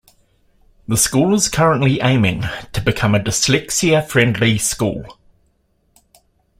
The School is currently aiming to become a Dyslexia Friendly School.